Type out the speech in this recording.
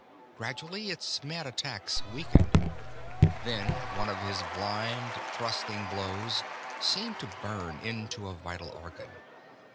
Gradually its mad attacks weakened. Then one of his blind, thrusting blows seemed to burn into a vital organ.